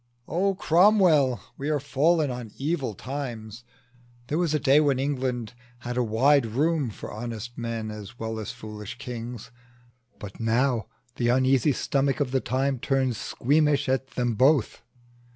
"O, Cromwell, we are fallen on evil times! There was a day when England had wide room For honest men as well as foolish kings; But now the uneasy stomach of the time Turns squeamish at them both.